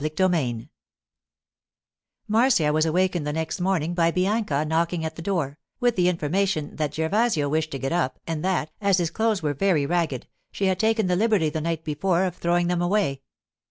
CHAPTER XI MARCIA was awakened the next morning by Bianca knocking at the door, with the information that Gervasio wished to get up, and that, as his clothes were very ragged, she had taken the liberty the night before of throwing them away.